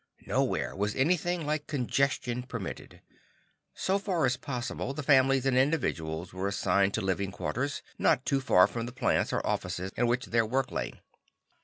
Nowhere was anything like congestion permitted. So far as possible, families and individuals were assigned to living quarters, not too far from the plants or offices in which their work lay.